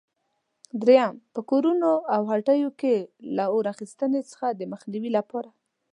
درېیم: په کورونو او هټیو کې له اور اخیستنې څخه د مخنیوي لپاره؟